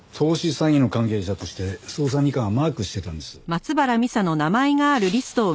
詐欺の関係者として捜査二課がマークしてたんです。